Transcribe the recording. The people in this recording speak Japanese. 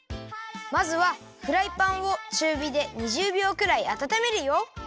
まずはフライパンをちゅうびで２０びょうくらいあたためるよ。